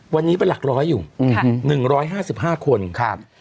วันนี้เป็นหลักร้อยอยู่๑๕๕คนครับ